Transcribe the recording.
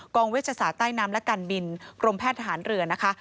เวชศาสตร์ใต้น้ำและการบินกรมแพทย์ทหารเรือนะคะ